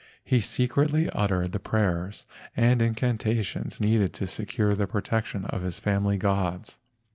He secretly uttered the prayers and incantations needed to secure the protection of his family gods.